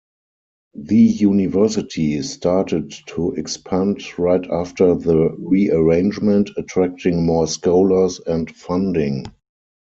The university started to expand right after the rearrangement, attracting more scholars and funding.